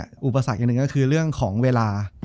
จบการโรงแรมจบการโรงแรม